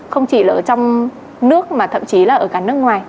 không chỉ là ở trong nước mà thậm chí là ở cả nước ngoài